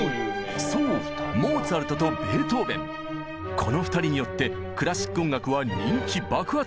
この２人によってクラシック音楽は人気爆発！